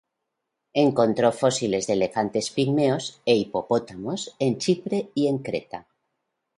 Encontró fósiles de elefantes pigmeos e hipopótamos en Chipre y en Creta.